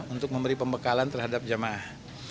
untuk memberi pembekalan terhadap jemaah